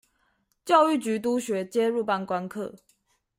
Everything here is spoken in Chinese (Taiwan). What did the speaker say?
教育局督學皆入班觀課